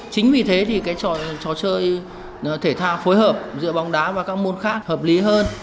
chính vì thế thì cái trò chơi thể thao phối hợp giữa bóng đá và các môn khác hợp lý hơn